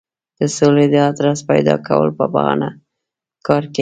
د سولې د آدرس پیدا کولو په بهانه کار کوي.